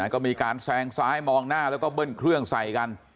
ก็มีการแซงซ้ายมองหน้าแล้วก็เบิ้ลเครื่องใส่กัน